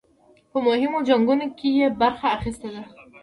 په مهمو جنګونو کې یې برخه اخیستې ده.